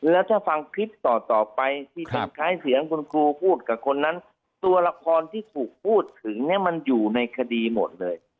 แล้วถ้าฟังคลิปต่อต่อไปที่เป็นคล้ายเสียงคุณครูพูดกับคนนั้นตัวละครที่ถูกพูดถึงเนี่ยมันอยู่ในคดีหมดเลย